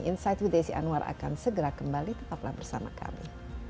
insight with desi anwar akan segera kembali tetaplah bersama kami